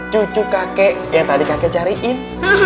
cucu kakek yang tadi kakek cariin